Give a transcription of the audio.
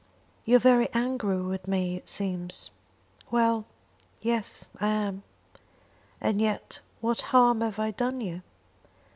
"You are very angry with me, it seems?" "Well; yes, I am." "And yet what harm have I done you?"